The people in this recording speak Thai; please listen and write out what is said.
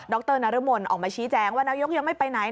รนรมนออกมาชี้แจงว่านายกยังไม่ไปไหน